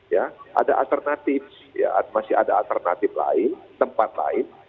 ya ada alternatif masih ada alternatif lain tempat lain